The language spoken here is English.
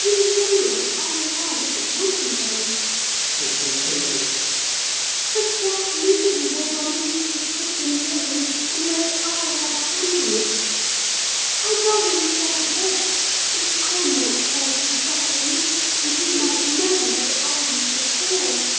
"In general I'll allow that it would be, Ellen," she continued; "but what misery laid on Heathcliff could content me, unless I have a hand in it? I'd rather he suffered less, if I might cause his sufferings and he might know that I was the cause.